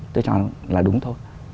tôi cho là đúng thôi